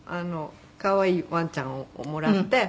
可愛いワンちゃんをもらって。